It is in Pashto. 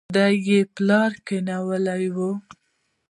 دا يې پلار کېنولې وه.